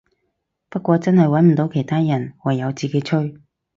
不過真係穩唔到其他人，唯有自己吹